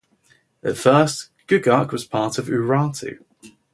At first, Gugark was part of Urartu.